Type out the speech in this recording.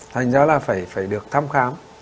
thành ra là phải được thăm khám